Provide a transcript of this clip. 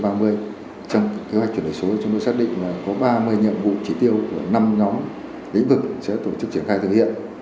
trong kế hoạch chuyển đổi số chúng tôi xác định là có ba mươi nhiệm vụ chỉ tiêu của năm nhóm lĩnh vực sẽ tổ chức triển khai thực hiện